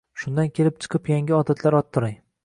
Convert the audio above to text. Shunda kelib chiqib yangi odatlar orttiring.